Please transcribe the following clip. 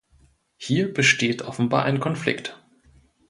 Hier besteht offenbar ein Konflikt.